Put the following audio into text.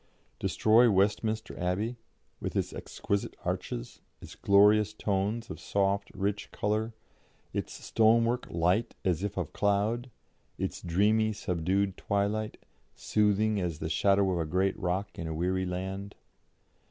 Destroy Westminster Abbey, with its exquisite arches, its glorious tones of soft, rich colour, its stonework light as if of cloud, its dreamy, subdued twilight, soothing as the 'shadow of a great rock in a weary land'?